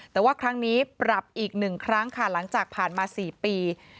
แต่ว่าครั้งนี้ปรับอีก๑ครั้งค่ะหลังจากผ่านมา๔ปี